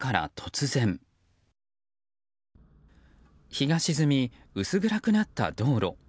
日が沈み、薄暗くなった道路。